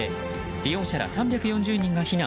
利用者ら３４０人が避難。